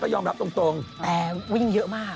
เคียงข้างจริง